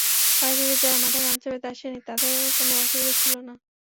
বাড়ি থেকে যাঁরা মাথায় গামছা বেঁধে আসেননি, তাঁদেরও কোনো অসুবিধা ছিল না।